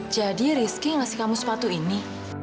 jadi rizky yang kasih kamu sepatu ini